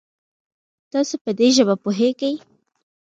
تاسو په دي ژبه پوهږئ؟